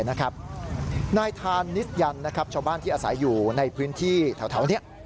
นายธานิจยันทร์นะครับชาวบ้านที่อาศัยอยู่ในพื้นที่เท่า